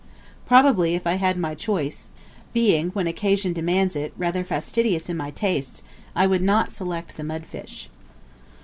Probably, if I had my choice, being, when occasion demands it, rather fastidious in my tastes, I would not select the mud fish.